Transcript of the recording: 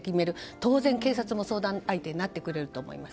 当然、警察も相談相手になってくれると思います。